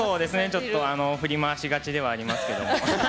ちょっと振り回しがちではありますけども。